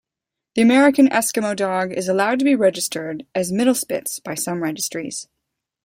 The American Eskimo Dog is allowed to be registered as Mittelspitz by some registries.